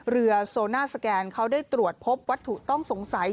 โซน่าสแกนเขาได้ตรวจพบวัตถุต้องสงสัย